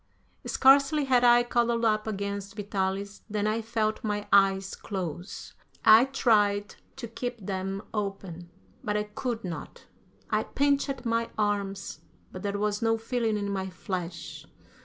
Scarcely had I cuddled up against Vitalis than I felt my eyes close. I tried to keep them open, but I could not. I pinched my arms, but there was no feeling in my flesh.